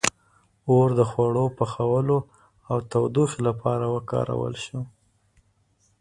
• اور د خوړو پخولو او تودوخې لپاره وکارول شو.